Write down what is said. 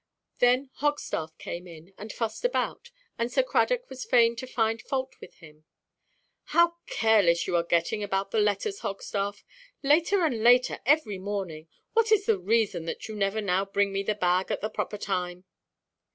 Then Hogstaff came in, and fussed about, and Sir Cradock was fain to find fault with him. "How careless you are getting about the letters, Hogstaff. Later and later every morning! What is the reason that you never now bring me the bag at the proper time?"